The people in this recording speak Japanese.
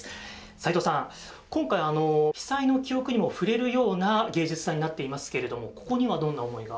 斉藤さん、今回、被災の記憶にも触れるような芸術祭になっていますけれども、ここにはどんな思いが？